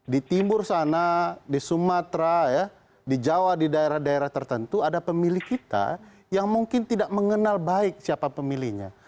di timur sana di sumatera di jawa di daerah daerah tertentu ada pemilih kita yang mungkin tidak mengenal baik siapa pemilihnya